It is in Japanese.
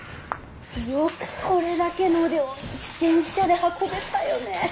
よくこれだけの量自転車で運べたよね。